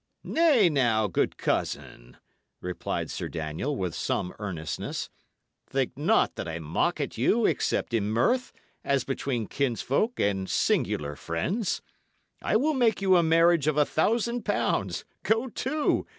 "Nay, now, good cousin," replied Sir Daniel, with some earnestness, "think not that I mock at you, except in mirth, as between kinsfolk and singular friends. I will make you a marriage of a thousand pounds, go to!